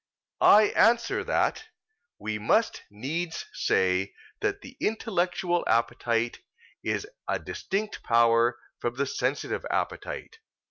I answer that, We must needs say that the intellectual appetite is a distinct power from the sensitive appetite.